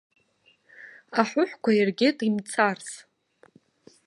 Аҳәыҳәқәа иргеит имҵарс.